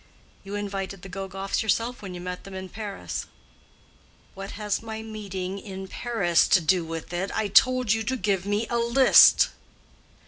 "You invited the Gogoffs yourself when you met them in Paris." "What has my meeting them in Paris to do with it? I told you to give me a list."